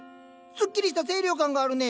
スッキリした清涼感があるね。